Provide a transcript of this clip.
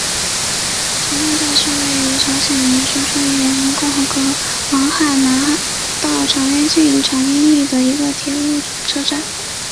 长渊站是位于朝鲜民主主义人民共和国黄海南道长渊郡长渊邑的一个铁路车站。